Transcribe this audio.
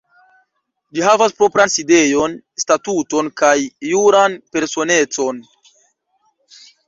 Ĝi havas propran sidejon, statuton kaj juran personecon.